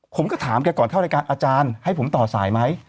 ผมก็ถามแกก่อนเข้ารายการอาจารย์ให้ผมต่อสายไหม